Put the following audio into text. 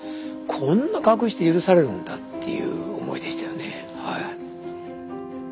こんな隠して許されるんだっていう思いでしたよね。